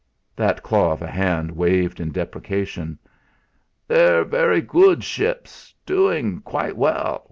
That claw of a hand waved in deprecation. "They're very good ships doing quite well.